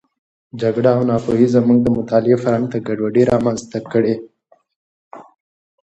جګړه او ناپوهي زموږ د مطالعې فرهنګ ته ګډوډي رامنځته کړې.